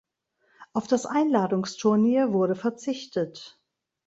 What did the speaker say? Auf das Einladungsturnier wurde verzichtet.